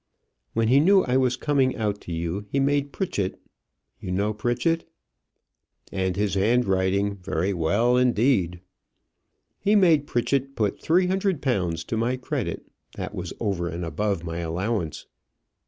"When he knew I was coming out to you, he made Pritchett you know Pritchett?" "And his handwriting very well indeed." "He made Pritchett put three hundred pounds to my credit; that was over and above my allowance.